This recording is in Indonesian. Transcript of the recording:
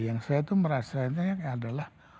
yang saya tuh merasanya adalah